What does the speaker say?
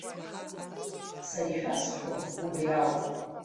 Сара ишәасҳәо убри ауп.